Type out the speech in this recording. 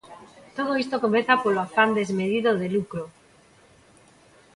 Todo isto comeza polo afán desmedido de lucro.